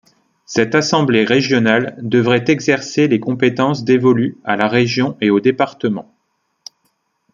Cette assemblée régionale devrait exercer les compétences dévolues à la région et aux départements.